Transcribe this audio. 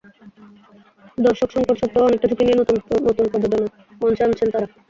দর্শক-সংকট সত্ত্বেও অনেকটা ঝুঁকি নিয়ে নতুন নতুন প্রযোজনা মঞ্চে আনছেন তাঁরা।